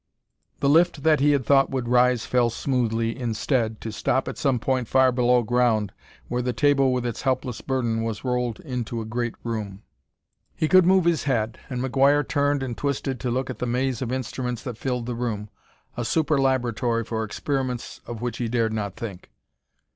The lift that he had thought would rise fell smoothly, instead, to stop at some point far below ground where the table with its helpless burden was rolled into a great room. He could move his head, and McGuire turned and twisted to look at the maze of instruments that filled the room a super laboratory for experiments of which he dared not think.